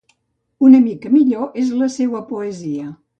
Una mica millor és la seua poesia.